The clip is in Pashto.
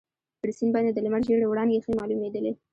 پر سیند باندي د لمر ژېړې وړانګې ښې معلومیدلې.